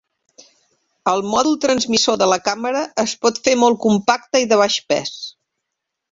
El mòdul transmissor de la càmera es pot fer molt compacte i de baix pes.